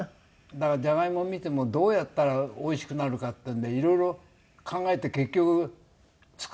だからじゃがいも見てもどうやったらおいしくなるかっていうんでいろいろ考えて結局作れないっていうのもあるんですよ。